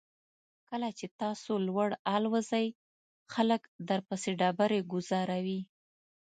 کله چې تاسو لوړ الوځئ خلک درپسې ډبرې ګوزاروي.